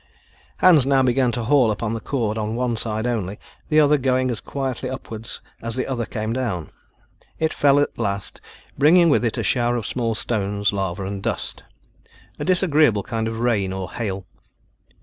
Hans now began to haul upon the cord on one side only, the other going as quietly upward as the other came down. It fell at last, bringing with it a shower of small stones, lava and dust, a disagreeable kind of rain or hail.